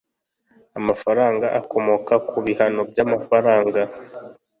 Amafaranga akomoka ku bihano by amafaranga